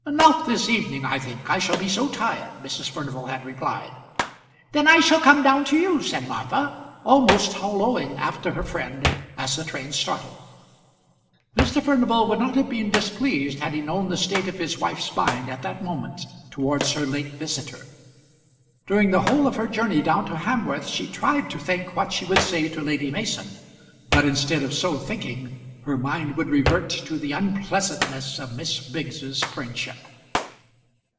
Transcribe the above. "Not this evening, I think. I shall be so tired," Mrs. Furnival had replied. "Then I shall come down to you," said Martha, almost holloaing after her friend, as the train started. Mr. Furnival would not have been displeased had he known the state of his wife's mind at that moment towards her late visitor. During the whole of her journey down to Hamworth she tried to think what she would say to Lady Mason, but instead of so thinking her mind would revert to the unpleasantness of Miss Biggs's friendship.